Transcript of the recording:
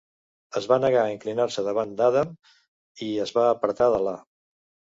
Es va negar a inclinar-se davant Adam i es va apartar d'Al·là.